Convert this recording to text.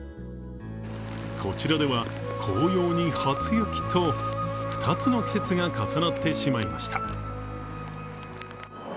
こちらでは、紅葉に初雪と２つの季節が重なってしまいました。